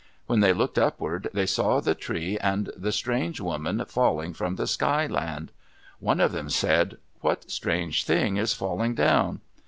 When they looked upward, they saw the tree and the strange woman falling from the Sky Land. One of them said, "What strange thing is falling down?"